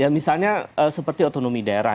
misalnya seperti otonomi daerah